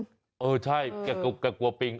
เออใช่แกกลัวปิง